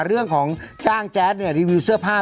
เรื่องของจ้างแจ๊ดรีวิวเสื้อผ้า